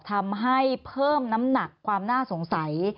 ทำให้เพิ่มน้ำหนักความน่าสงสัย